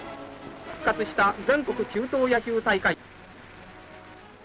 復活した全国中等野球大会。